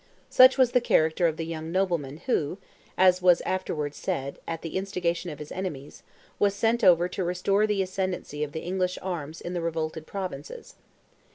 Such was the character of the young nobleman, who, as was afterwards said, at the instigation of his enemies, was sent over to restore the ascendancy of the English arms in the revolted provinces.